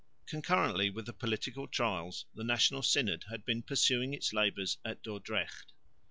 Concurrently with the political trials the National Synod had been pursuing its labours at Dordrecht.